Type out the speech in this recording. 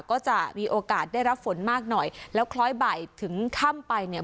ก็จะมีโอกาสได้รับฝนมากหน่อยแล้วคล้อยบ่ายถึงค่ำไปเนี่ย